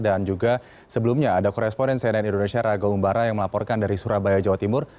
dan juga sebelumnya ada koresponden cnn indonesia raga umbara yang melaporkan dari surabaya jawa timur